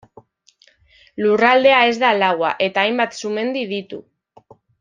Lurraldea ez da laua eta hainbat sumendi ditu.